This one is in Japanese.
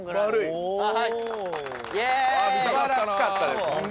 素晴らしかったです